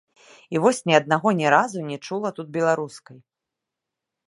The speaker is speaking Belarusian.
І вось ні аднаго, ні разу не чула тут беларускай.